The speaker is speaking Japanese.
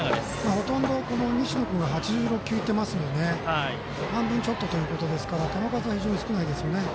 ほとんど西野君が８６球いってますので半分ちょっとということで球数、非常に少ないですよね。